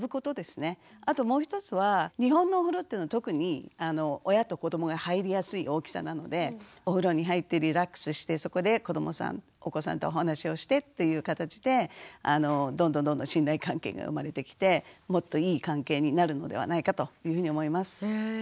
あともう一つは日本のお風呂っていうのは特に親と子どもが入りやすい大きさなのでお風呂に入ってリラックスしてそこで子どもさんお子さんとお話をしてっていう形でどんどんどんどん信頼関係が生まれてきてもっといい関係になるのではないかというふうに思います。